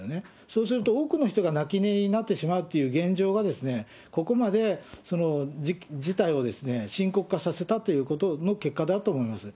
そうすると多くの人が泣き寝入りになってしまうという現状が、ここまで事態を深刻化させたということの結果だと思います。